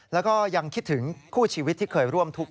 แล้วก็ยังคิดถึงคู่ชีวิตที่เคยร่วมทุกข์